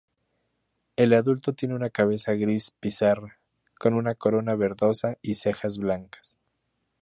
El adulto tiene una cabeza gris pizarra, con una corona verdosa y cejas blancas.